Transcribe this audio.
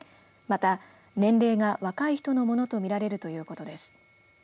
また、年齢が若い人のものとみられるということです。